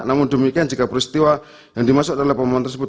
namun demikian jika peristiwa yang dimaksud adalah pemohon tersebut